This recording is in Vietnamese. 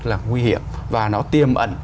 là nguy hiểm và nó tiềm ẩn